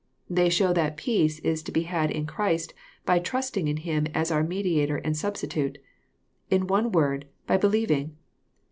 They show that peace is to be had in Christ by trusting in Him as our mediator and substitute, — in one word, by be lieving.